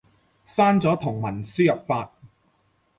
刪咗同文輸入法